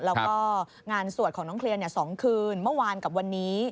แล้วก็งานสวดของน้องเคลียร์๒คืนเมื่อวานกับวันนี้